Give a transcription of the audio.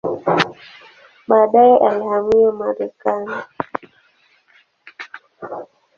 Baadaye alihamia Marekani.